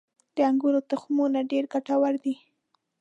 • د انګورو تخمونه ډېر ګټور دي.